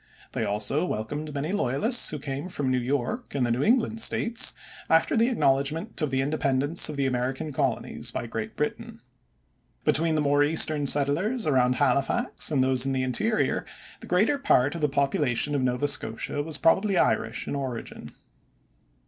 They also welcomed many loyalists who came from New York and the New England States after the acknowledgment of the independence of the American Colonies by Great Britain. Between the more eastern settlers around Halifax and those in the interior, the greater part of the population of Nova Scotia was probably Irish in origin.